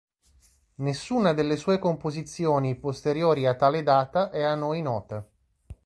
Nessuna delle sue composizioni posteriori a tale data è a noi nota.